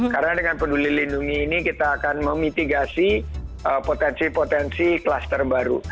karena dengan peduli lindungi ini kita akan memitigasi potensi potensi kluster baru